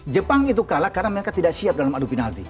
jepang itu kalah karena mereka tidak siap dalam adu penalti